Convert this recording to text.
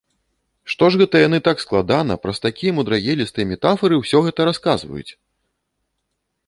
Што ж гэта яны так складана, праз такія мудрагелістыя метафары ўсё гэта расказваюць?